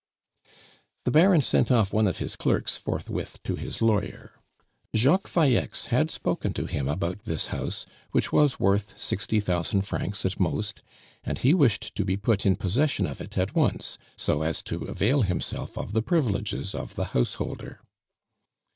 The Baron sent off one of his clerks forthwith to his lawyer. Jacques Falleix had spoken to him about this house, which was worth sixty thousand francs at most, and he wished to be put in possession of it at once, so as to avail himself of the privileges of the householder.